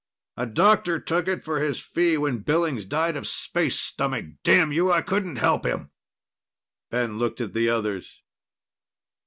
"A doctor took it for his fee when Billings died of space stomach. Damn you, I couldn't help him!" Ben looked at the others.